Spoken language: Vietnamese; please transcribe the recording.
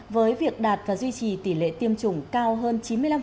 với việc đạt và duy trì tỷ lệ tiêm chủng cao hơn chín mươi năm